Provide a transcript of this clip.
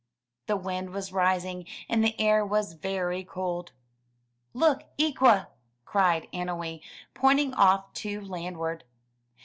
The wind was rising, and the air was very cold. ''Look, Ikwa!'' cried Annowee pointing off to land ward.